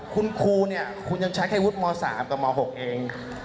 คุณครูเนี่ยคุณยังใช้แค่วุฒิม๓กับม๖เอง